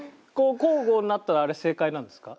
交互になったのあれ正解なんですか？